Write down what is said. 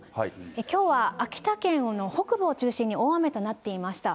きょうは秋田県の北部を中心に、大雨となっていました。